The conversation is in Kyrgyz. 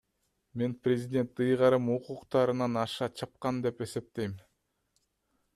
Мен президент ыйгарым укуктарынан аша чапкан деп эсептейм.